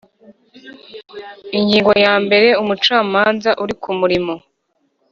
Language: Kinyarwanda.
Ingingo yambere Umucamanza uri ku murimo